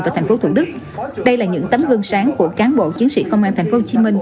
và tp thủ đức đây là những tấm gương sáng của cán bộ chiến sĩ công an tp hcm